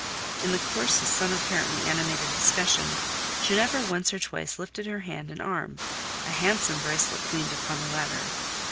In the course of some apparently animated discussion, Ginevra once or twice lifted her hand and arm; a handsome bracelet gleamed upon the latter.